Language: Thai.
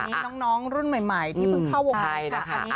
อันนี้น้องรุ่นใหม่ที่เพิ่งเข้าวงการกันนะคะ